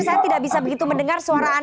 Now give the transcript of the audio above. yang tidak terhadap bidang keberdayaan masyarakat